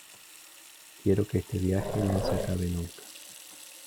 quiero que este viaje no se acabe nunca.